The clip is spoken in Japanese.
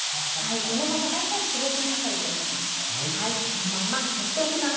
このまま大体４５分かかると思います。